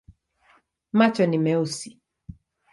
Macho ni meusi.